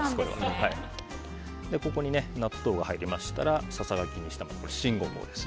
ここに納豆が入りましたらささがきにした新ゴボウ。